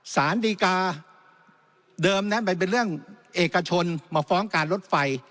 สารดีกาเดิมนั้นมันเป็นเรื่องเอกชนมาฟ้องการรถไฟ